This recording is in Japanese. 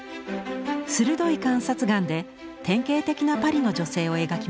鋭い観察眼で典型的なパリの女性を描きました。